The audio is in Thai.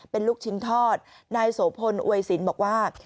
เป็นลูกชิ้นทอดนายโสพลอวยสินบอกว่า